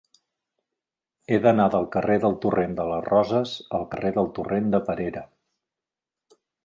He d'anar del carrer del Torrent de les Roses al carrer del Torrent de Perera.